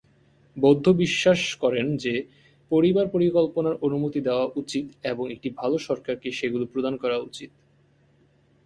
বৌদ্ধ বিশ্বাস করেন যে পরিবার পরিকল্পনার অনুমতি দেওয়া উচিত এবং একটি ভাল সরকারকে সেগুলি প্রদান করা উচিত।